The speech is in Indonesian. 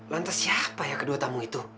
lantas siapa ya kedua tamu itu